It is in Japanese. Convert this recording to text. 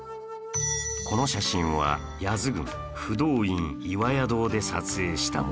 この写真は八頭郡不動院岩屋堂で撮影したもの